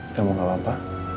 kamu gak apa apa